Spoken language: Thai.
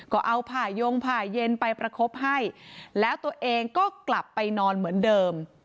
ก็เอาผ่ายงผ่าเย็นไปประคบให้แล้วตัวเองก็กลับไปนอนเหมือนเดิม